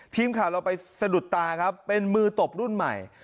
ทีมข่าวเราไปสะดุดตาครับเป็นมือตบรุ่นใหม่